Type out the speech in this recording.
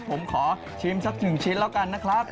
ผมขอชิมสักหนึ่งชิ้นแล้วกันนะครับ